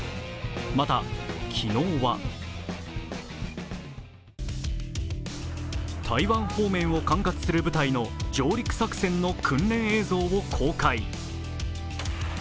また、昨日は台湾方面を管轄する部隊の上陸作戦の訓練映像を公開。